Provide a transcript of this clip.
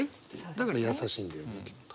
だから優しいんだよねきっと。